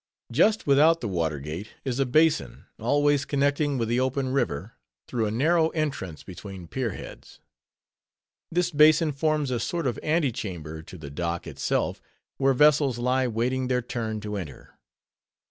Just without the water gate, is a basin, always connecting with the open river, through a narrow entrance between pierheads. This basin forms a sort of ante chamber to the dock itself, where vessels lie waiting their turn to enter.